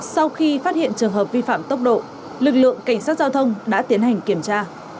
sau khi phát hiện trường hợp vi phạm tốc độ lực lượng cảnh sát giao thông đã tiến hành kiểm tra